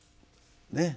ねえ。